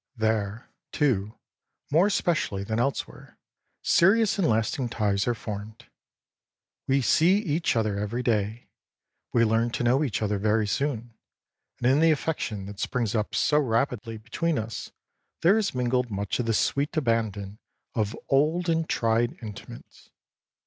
There, too, more specially than elsewhere, serious and lasting ties are formed. We see each other every day, we learn to know each other very soon, and in the affection that springs up so rapidly between us there is mingled much of the sweet abandon of old and tried intimates.